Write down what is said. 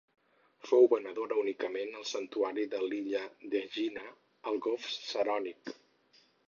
Fou venerada únicament al santuari de l'illa d'Egina, al Golf Sarònic.